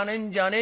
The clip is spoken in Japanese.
え？